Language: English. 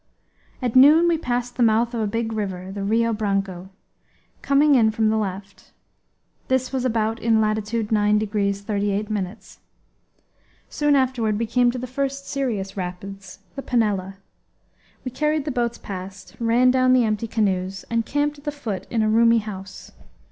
At noon we passed the mouth of a big river, the Rio Branco, coming in from the left; this was about in latitude 9 degrees 38 minutes. Soon afterward we came to the first serious rapids, the Panela. We carried the boats past, ran down the empty canoes, and camped at the foot in a roomy house.